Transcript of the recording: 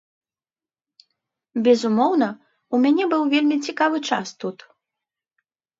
Безумоўна, у мяне быў вельмі цікавы час тут.